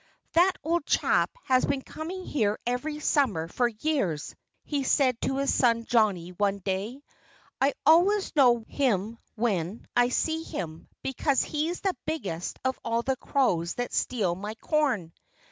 "That old chap has been coming here every summer for years," he said to his son Johnnie one day. "I always know him when I see him, because he's the biggest of all the crows that steal my corn."